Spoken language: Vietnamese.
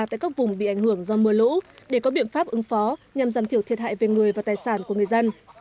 tại các vùng bị ảnh hưởng do mưa lũ để có biện pháp ứng phó nhằm giảm thiểu thiệt hại về người và tài sản của người dân